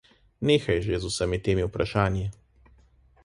Nehaj že z vsemi temi vprašanji.